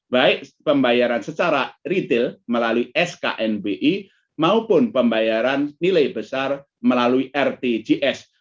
baik pembayaran secara retail melalui sknbi maupun pembayaran nilai besar melalui rtjs